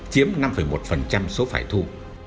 chiếm năm một số phải thu